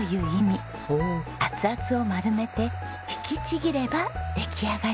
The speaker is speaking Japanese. アツアツを丸めて引きちぎれば出来上がり。